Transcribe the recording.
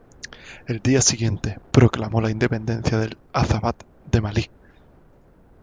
El día siguiente, proclamó la independencia del Azawad de Malí.